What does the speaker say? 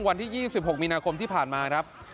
วันที่๒๖มีนาคมที่ผ่านมาครับ